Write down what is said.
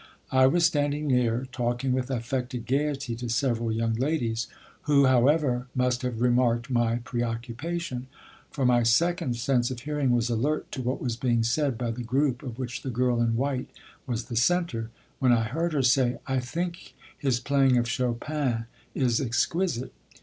I was standing near, talking with affected gaiety to several young ladies, who, however, must have remarked my preoccupation; for my second sense of hearing was alert to what was being said by the group of which the girl in white was the center, when I heard her say: "I think his playing of Chopin is exquisite."